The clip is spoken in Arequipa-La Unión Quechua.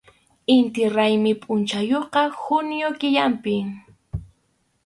Inti raymi pʼunchawqa junio killapim.